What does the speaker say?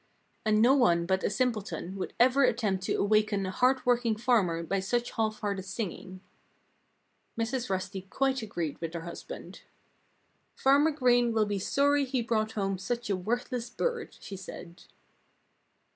And no one but a simpleton would ever attempt to awaken a hard working farmer by such half hearted singing." Mrs. Rusty quite agreed with her husband. "Farmer Green will be sorry he brought home such a worthless bird," she said.